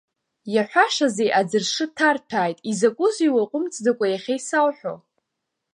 Иаҳәашазеи аӡыршы ҭарҭәааит, изакәызеи уааҟәымҵӡакәа иахьа исауҳәо!